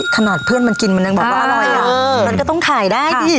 ถนัดเพื่อนมันกินมันยังอร่อยอะมันก็ต้องขายได้ดิ